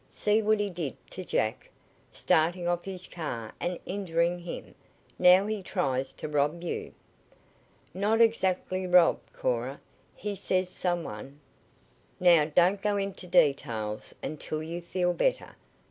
See what he did to Jack, starting off his car and injuring him. Now he tries to rob you." "Not exactly rob, Cora. He says some one " "Now don't go into details until you feel better.